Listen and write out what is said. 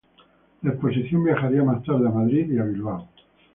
La exposición viajaría más tarde a Madrid y a Bilbao.